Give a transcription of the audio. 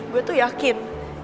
gue tuh yakin